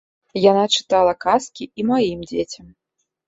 Яна чытала казкі і маім дзецям.